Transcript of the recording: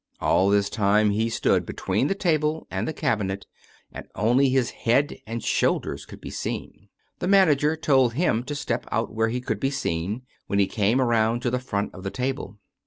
All this time he stCKxl between the table and the cabinet, and only his head and shoulders could be seen. The manager told him to step out where he could be seen, when he came around to the front of the table.